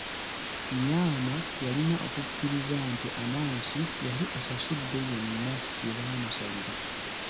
Nyaama yalina okukkiriza nti Anansi yali asasudde byonna bye baamusalira.